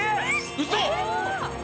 うそ。